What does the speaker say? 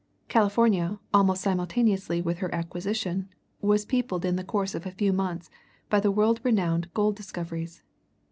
California, almost simultaneously with her acquisition, was peopled in the course of a few months by the world renowned gold discoveries.